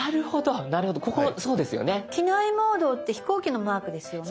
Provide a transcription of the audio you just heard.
「機内モード」って飛行機のマークですよね？